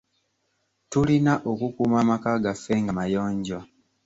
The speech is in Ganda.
Tulina okukuuma amaka gaffe nga mayonjo.